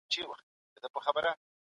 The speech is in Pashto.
ميوه او سبزي د بدن لپاره ګټور دي.